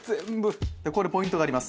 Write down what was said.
ここでポイントがあります。